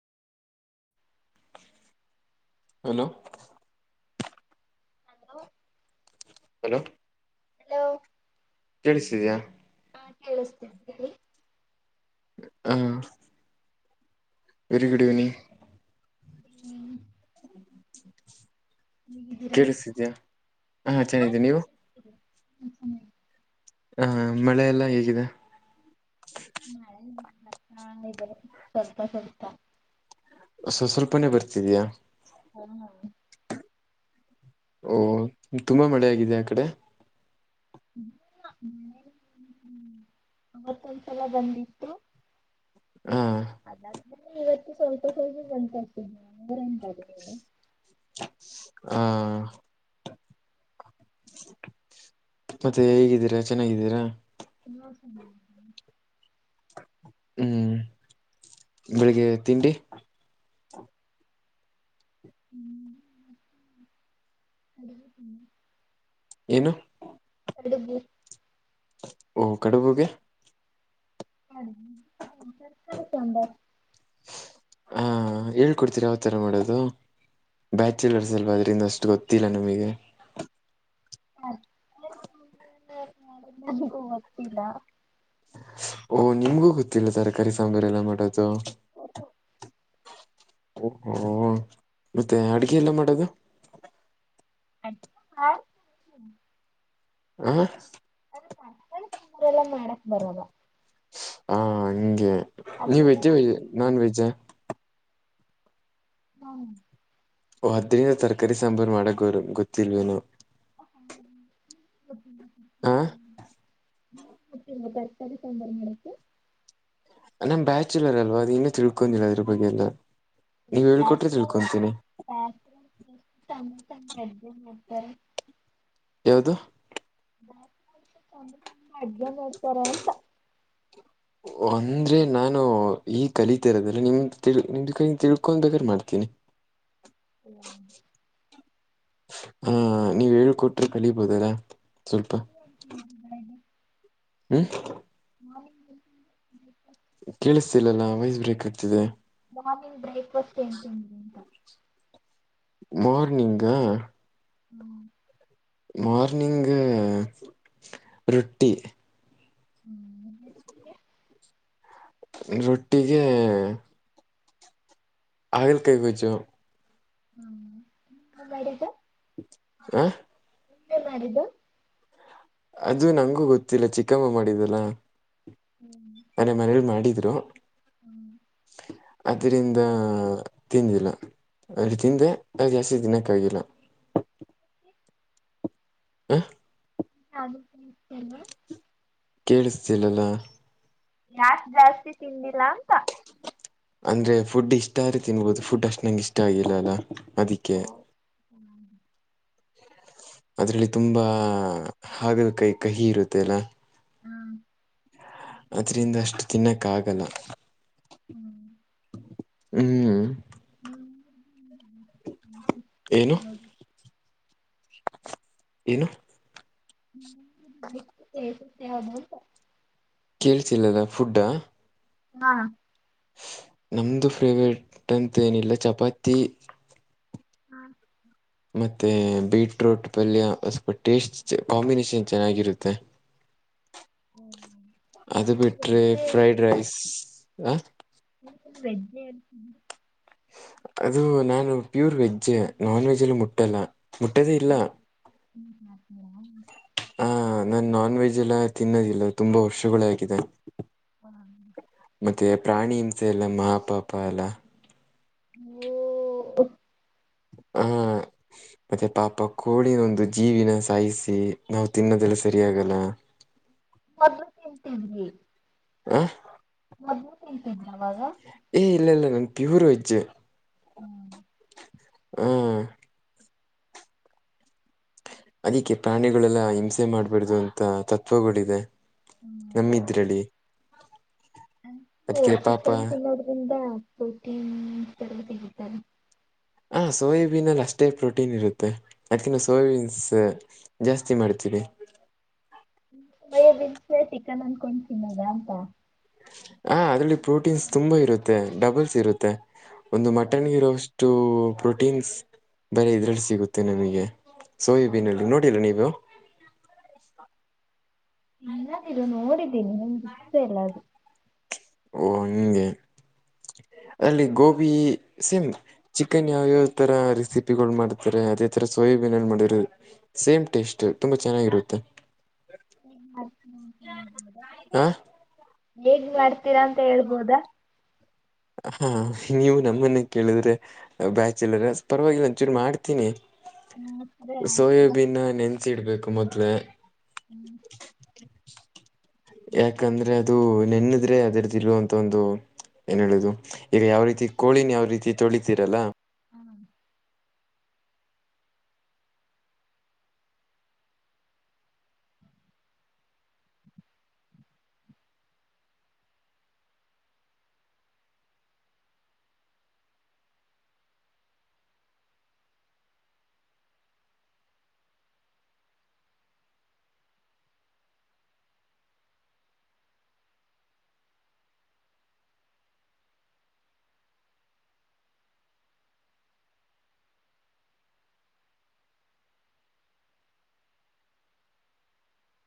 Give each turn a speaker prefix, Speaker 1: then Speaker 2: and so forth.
Speaker 1: Hello
Speaker 2: hello
Speaker 1: hello
Speaker 2: hello
Speaker 1: ಕೇಳಿಸ್ತಿದಯಾ
Speaker 2: ಹಾ ಕೇಳಿಸ್ತೀನಿ ಹೇಳಿ
Speaker 1: ಹ ವೆರಿ ಗುಡ್ ಇವಿನಿಂಗ್
Speaker 2: ಹ್ಮ್ ಹೇಗಿದ್ದೀರಾ
Speaker 1: ಕೇಳಿಸ್ಿದೀಯ ಹಾ ಚೆನ್ನಿದ್ದೀ ನೀವು
Speaker 2: ಹ್ಮ್ ಹ್ಮ್
Speaker 1: ಹ ಮಳೆ ಎಲ್ಲ ಹೇಗಿದೆ
Speaker 2: ಮಳೆತ್ತ್ರ ಸ್ವಲ್ಪ ಸ್ವಲ್ಪ
Speaker 1: ಸ್ವ ಸ್ವಲ್ಪನೇ ಬರ್ತಿದ್ಯಾ-
Speaker 2: ಹ್ಮ [unintelligible]
Speaker 1: ಓ ತುಂಬಾ ಮಳೆ ಆಗಿದೆ ಆ ಕಡೆ.
Speaker 2: [unintelligible] ಅವವತ್ತೊಂದ್ಸಲ ಬಂದಿತ್ತು.
Speaker 1: ಹ್ಮ.
Speaker 2: ಅದಾದ್ಮೇಲೆ ಇವತ್ತು ಸ್ವಲ್ಪ ಸ್ವಲ್ಪ ಬಂತಂತೆ [unintelligible]
Speaker 1: ಹ್ನಾ ಮತ್ತೆ ಹೇಗಿದ್ದೀರಾ ಚೆನ್ನಾಗಿದ್ದೀರಾ
Speaker 2: ಎಲ್ಲ [unintelligible]
Speaker 1: ಹ್ಮ್. ಬೆಳಿಗ್ಗೆ ತಿಂಡಿ
Speaker 2: ಹ್ಮ್ ಅಡಿಗೆ [unintelligible]
Speaker 1: ಏನು.
Speaker 2: ಕಡುಬು.
Speaker 1: ಓಹ್ ಕಡುಬುಗೆ
Speaker 2: [unintelligible] ಸಾಂಬಾರ್.
Speaker 1: ಹ ಹೇಳ್ಕೊಡ್ತೀರಿ ಯಾವಥರ ಮಾಡೋದು ಬ್ಯಾಚುಲರ್ಸ್ ಅಲ್ವಾ ಅದ್ರಿಂದ ಅಷ್ಟು ಗೊತ್ತಿಲ್ಲ ನಮ್ಗೆ
Speaker 2: [unintelligible] ನನಗೂ ಗೊತ್ತಿಲ್ಲ
Speaker 1: ಓಹ ನಿಮ್ಗೂ ಗೊತ್ತಿಲ್ಲ ತರಕಾರಿ ಸಾಂಬ್ರ ಎಲ್ಲ ಮಾಡೋದು ಓಹೊ ಮತ್ತೆ ಅಡಗೆ ಎಲ್ಲ ಮಾಡೋದು
Speaker 2: ಅ [unintelligible]
Speaker 1: ಹ್ಮ
Speaker 2: ಅ [unintelligible] ಕರ್ಕಳ ಎಲ್ಲ ಮಾಡಕ್ ಬರಲ್ಲ
Speaker 1: ಹಾ ಹಂಗೆ ನೀ
Speaker 2: ಅದನ್ನೆಲ್ಲ
Speaker 1: ವೆಜ್ಜೆ ವ
Speaker 2: ಅಮ್ಮ
Speaker 1: ನಾನ್ ವೆಜ್ಜ
Speaker 2: ಹಾ [unintelligible]
Speaker 1: ಓ ಅದೆ ತರಕಾರಿ ಸಾಂಬಾರು ಮಾಡಕ್ ಅವರು ಗೊತ್ತಿಲ್ವೇನು
Speaker 2: ಹ್ಮ್
Speaker 1: ಹ
Speaker 2: [unintelligible] ನಿಂಗ್ ಗೊತ್ತಿಲ್ವಾ ತರ್ಕಾರಿ ಸಾಂಬಾರ್ ಮಾಡಕ್ಕೆ.
Speaker 1: ಅ ನಮ್ ಬ್ಯಾಚುಲರ್ ಅಲ್ವಾ ಅದು ಇನ್ನೂ ತಿಳ್ಕೊಂಡಿಲ್ಲ ಅದ್ರ ಬಗ್ಗೆ ಎಲ್ಲ ನೀವು ಹೇಳಳ್ಕೊಟ್ರ ತಿಳ್ಕೊತೀನಿ
Speaker 2: ಬ್ಯಾಚುಲರ್ಸ ಎಷ್ಟು ಚೆಂದ ಚೆಂದ ಅಡಿಗೆ ಮಾಡ್ತಾರೆ
Speaker 1: ಯಾವದು
Speaker 2: [unintelligible] ಚೆಂದ ಚೆಂದ ಅಡಿಗೆ ಮಾಡ್ತಾರೆ ಅಂತ
Speaker 1: ಓಂ ಅಂದ್ರೆ ನಾನು ಈಗ ಕಲಿತರೋದಲ್ಲ ನಿಮ್ದ ನಿಮ್ದು ತಿಳ್ಕೊ ನಿಮ್ದು ತಿಳಕ್ಕೊಂಡ ಮಾಡ್ತೀನಿ.
Speaker 2: ಹ [unintelligible]
Speaker 1: ಹಾ ನೀವ್ ಹೇಳ್ ಕೊಟ್ರೆ ಕಲಿಬೋದಲ್ಲ ಸ್ವಲ್ಪ.
Speaker 2: [unintelligible]
Speaker 1: ಹ್ಮು
Speaker 2: ಹಾ [unintelligible]
Speaker 1: ಕೇಳಿಸ್ತಿಲ್ಲಲ್ಲ ವಾಯ್ಸ್ ಬ್ರೇಕ್ ಆಗ್ತಿದೆ.
Speaker 2: ಮಾರ್ನಿಂಗ್ ಬ್ರೇಕ್ಫಾಸ್ಟ್ ಏನ್ ತಿಂದ್ರಿ ಅಂತ
Speaker 1: ಮಾರ್ನಿಂಗಾ
Speaker 2: ಹ್ಮ್
Speaker 1: ಮಾರ್ನಿಂಗ ರೊಟ್ಟಿ.
Speaker 2: ಹ್ಮ್ [unintelligible]
Speaker 1: ರೊಟ್ಟಿಗೆ ಆಗ ಕೈಗೋ ಜ
Speaker 2: ಹ್ಮ್ ಮಾಡಿದ್ದ
Speaker 1: ಹ
Speaker 2: ಏನ್ ಮಾಡಿದ್ದು
Speaker 1: ಅದು ನಂಗೂ ಗೊತ್ತಿಲ್ಲ ಚಿಕ್ಕಮ್ಮ ಮಾಡಿದಲ್ಲ
Speaker 2: ಹ್ಞೂ
Speaker 1: ಮನೆ ಮನೇಲಿ ಮಾಡಿದ್ರು
Speaker 2: ಹ್ಮ್
Speaker 1: ಅದರಿಂದ ತಿಂದಿಲ್ಲ ಅಲ್ಲಿ ತಿಂದೆ ಅದು ಜಾಸ್ತಿ ದಿನಕ್ಕ ಆಗಿಲ್ಲ ಹಾಂ
Speaker 2: ಚತ
Speaker 1: ಕೇಳಿಸ್ತಿಲಲ್ಲ
Speaker 2: ಜಾಸ್ ಜಾಸ್ತಿ ತಿಂಡಿಲ್ಲ ಅಂತ
Speaker 1: ಅಂದ್ರೆ ಫುಡ್ ಇಷ್ಟಾರೆ ತಿನ್ಬೋದು ಫುಡ್ ಅಷ್ಟ ನಂಗೆ ಇಷ್ಟ ಆಗಿಲ್ಲ ಅಲ್ಲ ಅದಿಕ್ಕೆ
Speaker 2: ಹ್ಮ್
Speaker 1: ಅದರಲ್ಲಿ ತುಂಬ ಹಾಗದ ಕೈ ಕಹಿ ಇರುತ್ತೆ ಅಲ್ಲ
Speaker 2: ಹ್ಮ
Speaker 1: ಅದರಿಂದ ಅಷ್ಟು ತಿನ್ನಕ್ಕ ಆಗಲ್ಲ
Speaker 2: ಹ್ಮ್
Speaker 1: ಹ್ಮ್
Speaker 2: ನೀವು
Speaker 1: ಏನು
Speaker 2: ಯಾವ್ದು
Speaker 1: ಏನು
Speaker 2: ಸ ಸ ಅಬಹತ
Speaker 1: ಕೇಳಳ್ಸಿಲ್ಲದ ಫುಡ.
Speaker 2: ಹಾ
Speaker 1: ನಮ್ದ ಫೇವರೇಟ್ ಅಂತೇನಿಲ್ಲ ಚಪಾತಿ. ಮತ್ತೆ ಬೀಟ್ರೂಟ ಪಲ್ಯ ಸ್ವಲ್ಪ ಟೇಸ್ಟ ಕಾಂಬಿನೇಶನ್ ಚೆನ್ನಾಗಿರುತ್ತೆ.
Speaker 2: ಹ್ಮ
Speaker 1: ಅದು ಬಿಟ್ರೆ ಫ್ರೈಡ್ ರೈಸ್ ಅ.
Speaker 2: ವೆಜ್ಜ ಅ
Speaker 1: ಅದು ನಾನು ಪ್ಯೂರ್ ವೆಜ್ಜ ನಾನ ವೆಜ್ಜ ಎಲ್ಲಾ ಮುಟ್ಟಲ್ಲ ಮುಟ್ಟದೇ ಇಲ್ಲ.
Speaker 2: ಹ್ಮ ಹ ಹ
Speaker 1: ಹ ನಾನ ನಾನ ವೆಜ್ ಎಲ್ಲ ತಿನ್ನೋದಿಲ್ಲ. ತುಂಬಾ ವರ್ಷಗಳ ಆಗಿದೆ.
Speaker 2: ಹ
Speaker 1: ಮತ್ತು ಪ್ರಾಣಿ ಹಿಂಸೆ ಎಲ್ಲ ಮಾ ಪಾಪ ಎಲ್ಲಾ.
Speaker 2: ಓ! ! ! ! [unintelligible]
Speaker 1: ಹ ಮತ್ತೆ ಪಾಪ ಕೋಳಿನ ಒಂದು ಜೀವಿನ ಸಾಯಿಸಿ ನಾವು ತಿನ್ನೋದೆಲ್ಲ ಸರಿಯಾಗಲ್ಲ.
Speaker 2: ಮೊದ್ಲು ತಿಂತದ್ವಿ.
Speaker 1: ಆ
Speaker 2: ಮೊದ್ಲು ತಿಂತಿದ್ರಿ ಅವವಾಗ.
Speaker 1: ಏ್ ಇಲ್ಲ ಇಲ್ಲ ನಾನನ್ ಪ್ಯೂರ್ ವೆಜ್ಜ್
Speaker 2: ಹ್ಮ್
Speaker 1: ಹ್ಮ ಅದಿಕ್ಕೆ ಪ್ರಾಣಿಗಳೆಲ್ಲ ಹಿಂಸೆ ಮಾಡ್ಬಿಡ್ದು ಅಂತ ತತ್ವಗಳಿದೆ
Speaker 2: ಹ್ಮ
Speaker 1: ನಮ್ಮಿದ್ರಲ್ಲಿ ಅದಕ್ಕೆ ಪಾಪ
Speaker 2: ಚಿಕನ್ ತಿನ್ನೋಡ್ರಿಂದ ಕಟಿ ತತಾರೆ
Speaker 1: ಹಾಂ ಸೋಯಾಬೀನಲ್ಲಿ ಅಷ್ಟೇ ಪ್ರೋಟೀನ್ ಇರುತ್ತೆ ಅದಕಿಂತ ಸೋಯಾಬೀನ್ಸ್ ಜಾಸ್ತಿ ಮಾಡ್ತೀವಿ
Speaker 2: ಬಿೇ ಚಿಕನ್ ಅನ್ಕೊಂಡತೀನ್ಿದ ಅಂತ
Speaker 1: ಹ ಅದರಲ್ಲಿ ಪ್ರೋಟೀನ್ಸ್ ತುಂಬಾ ಇರುತ್ತೆ ಡಬಲ್ಸ್ ಇರುತ್ತೆ. ಒಂದು ಮಟನಗಿರೋಷ್ಟು ಪ್ರೋಟೀನ್ಸ್ ಬರ ಇದ್ರಲ್ಲಿ ಸಿಗುತ್ತೆ ನಮಗೆ. ಸೋಯಿಬೀನಲ್ಲಿ ನೋಡಿಲ್ಲ ನೀವು
Speaker 2: ಇನ್ನಾದರು ನೋಡಿದ್ದೀನಿ ನಮ ಇತ್ತು ಎಲ್ಲ ಅದು
Speaker 1: ಓ ಹಂಗೆ ಅಲ್ಲಿ ಗೋಬಿ ಸಿಮ. ಚಿಕನ್ ಯಾವ್ಯಾವ ತರ ರೆಸಿಪಿಗಳು ಮಾಡ್ತಾರೆ ಅದೇ ತರ ಸೋಯಾಬೀನ್ ಏನ್ ಮಾಡಿರ. ಸೇಮ್ ಟೇಸ್ಟ ತುಂಬಾ ಚೆನ್ನಾಗಿರುತ್ತೆ. ಹ
Speaker 2: ಹೇಗ ಮಾಡ್ತೀರಾ ಅಂತ ಹೇಳ್ಬೋದಾ?
Speaker 1: ಹಾ ನೀವು ನಮ್ಮನ್ನ ಕೇಳಿದ್ರೆ ಬ್ಯಾಚಲರ್ ಪರವಾಗಿಲ್ಲ ಒಚೂರು ಮಾಡ್ತೀನಿ
Speaker 2: ಹ್ಮ್ ಅದೇ ಆತರ
Speaker 1: ಸೋಯಾಬೀನ್ ನೆನ್ಸಿಡ್ಬೇಕು ಮೊದ್ಲ
Speaker 2: ಹ್ಮ್
Speaker 1: ಯಾಕಂದ್ರೆ ಅದು ನೆನ್ನದ್ರೆ ಅದರದ್ದು ಇರುವಂತ ಒಂದು ಏನ್ ಹೇಳುದು ಈಗ ಯಾವ ರೀತಿ ಕೋಳಿನ ಯಾವ ರೀತಿ ತೊಳಿತೀರಲ್ಲ
Speaker 2: ಹಾ [inaudible]